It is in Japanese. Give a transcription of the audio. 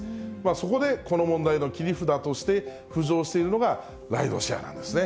そこでこの問題の切り札として浮上しているのが、ライドシェアなんですね。